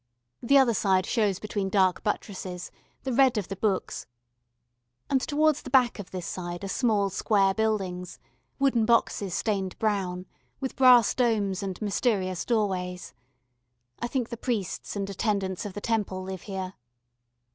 The other side shows between dark buttresses the red of the books, and towards the back of this side are small square buildings wooden boxes stained brown with brass domes and mysterious doorways. I think the priests and attendants of the Temple live here.